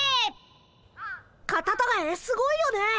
カタタガエすごいよね。